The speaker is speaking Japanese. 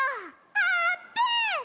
あーぷん！